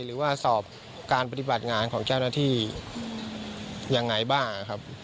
หรือว่าสอบการปฏิบัติงานของเจ้าหน้าที่ยังไงบ้างครับ